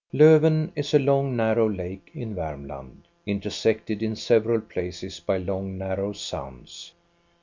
Lofven is a long, narrow lake in Varmland, inter sected in several places by long narrow sounds.